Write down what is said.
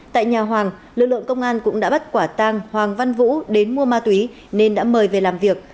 tại nhà hoàng lực lượng công an cũng đã bắt quả tang hoàng văn vũ đến mua ma túy nên đã mời về làm việc